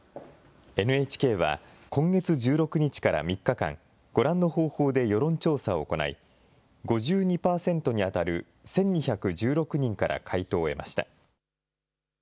ＮＨＫは、今月１６日から３日間、ご覧の方法で世論調査を行い、５２％に当たる１２１６人から回答を得ました。